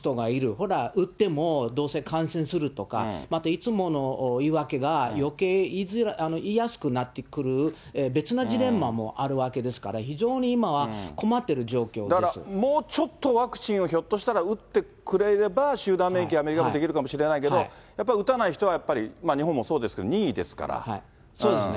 ほら、打ってもどうせ感染するとか、またいつもの言い訳が、よけい言いやすくなってくる、別なジレンマもあるわけですから、非常に今は、だからもうちょっとワクチンを、ひょっとしたら、打ってくれれば集団免疫が出来るかもしれないけれども、やっぱり打たない人は、日本もそうですけども、そうですね。